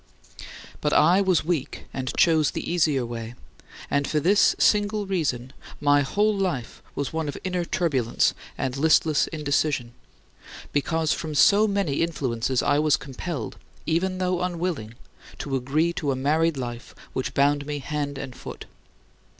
But I was weak and chose the easier way, and for this single reason my whole life was one of inner turbulence and listless indecision, because from so many influences I was compelled even though unwilling to agree to a married life which bound me hand and foot.